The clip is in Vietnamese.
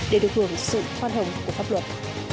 để được hưởng sự hoan hồng của pháp luật